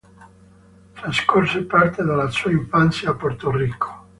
Trascorse parte della sua infanzia a Porto Rico.